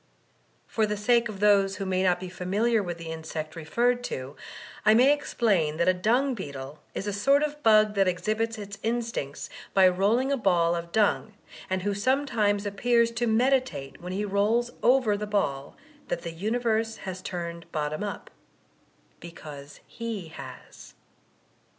For the sake of those who may not be familiar with the insect referred to, I may explain that a dung beetle is a sort of bug that exhibits its instincts by rolling a ball of dung, and who sometimes appears to meditate when he rolls over the ball that the universe has turned bottom up — ^because he has.